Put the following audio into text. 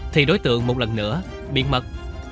thì đối tượng một lần nữa biến mất